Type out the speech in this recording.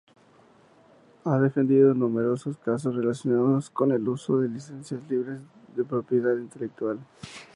Ha defendido numerosos casos relacionados con el uso de licencias libres de propiedad intelectual.